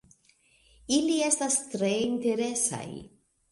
Ili estas tre interesaj